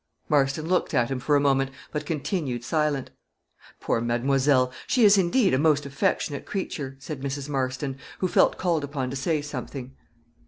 Marston looked at him for a moment, but continued silent. "Poor mademoiselle! she is, indeed, a most affectionate creature," said Mrs. Marston, who felt called upon to say something.